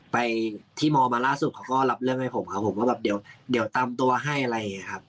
ไปที่มอลมาล่ะสุดเขาก็รับเรื่องให้ผมว่าเดี๋ยวตามตัวให้อะไร